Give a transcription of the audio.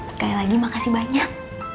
sekali lagi makasih banyak